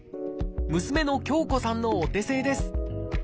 娘の京子さんのお手製です。